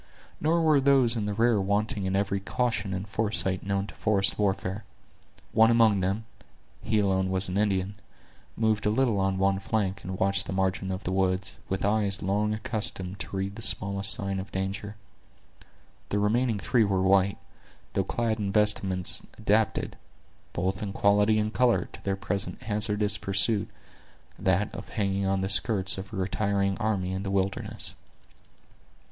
Nor were those in the rear wanting in every caution and foresight known to forest warfare. One among them, he also was an Indian, moved a little on one flank, and watched the margin of the woods, with eyes long accustomed to read the smallest sign of danger. The remaining three were white, though clad in vestments adapted, both in quality and color, to their present hazardous pursuit—that of hanging on the skirts of a retiring army in the wilderness.